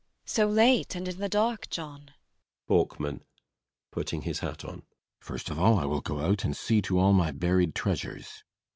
So late, and in the dark, John? BORKMAN. [Putting on his hat.] First of all, I will go out and see to all my buried treasures.